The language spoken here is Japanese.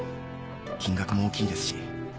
金額も大きいですし。